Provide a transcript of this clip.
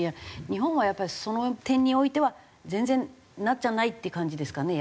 日本はやっぱりその点においては全然なっちゃないって感じですかね？